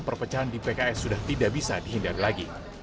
perpecahan di pks sudah tidak bisa dihindari lagi